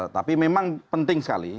tapi memang penting sekali